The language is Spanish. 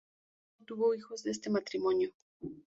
No tuvo hijos de este matrimonio.